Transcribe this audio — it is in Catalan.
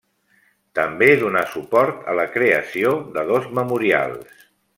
També donà suport a la creació de dos memorials.